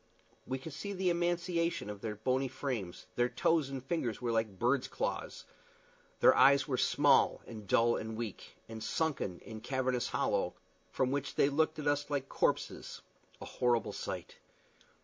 We could see the emaciation of their bony frames; their toes and fingers were like birds' claws; their eyes were small and dull and weak, and sunken in cavernous hollows, from which they looked at us like corpses a horrible sight.